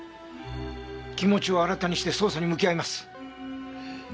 気持ちを新たにして捜査に向き合います。